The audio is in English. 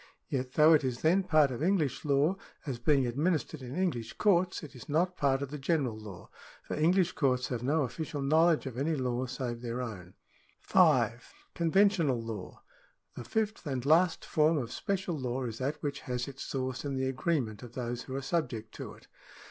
Yet though it is then part of English law, as being administered in English courts, it is not part of the general law, for English courts have no official knowledge of any law save their own. 5. Conventional law. — The fifth and last form of special law is that which has its source in the agreement of those who are subject to it.